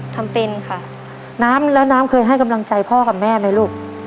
ทำเป็นค่ะน้ำแล้วน้ำเคยให้กำลังใจพ่อกับแม่ไหมลูก